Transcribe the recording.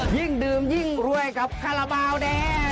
ยิ่งดื่มยิ่งรวยกับคาราบาลแดง